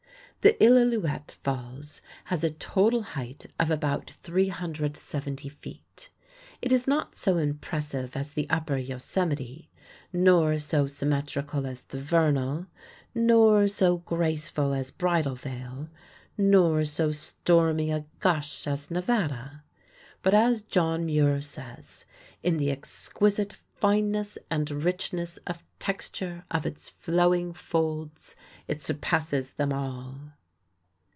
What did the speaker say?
The Illilouette Falls has a total height of about 370 feet. It is not so impressive as the upper Yosemite, nor so symmetrical as the Vernal, nor so graceful as Bridal Veil, nor so stormy a gush as Nevada; but, as John Muir says, "In the exquisite fineness and richness of texture of its flowing folds, it surpasses them all."